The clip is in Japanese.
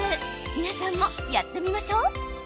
皆さんも、やってみましょう。